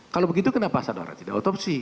kalau begitu kenapa saudara tidak otopsi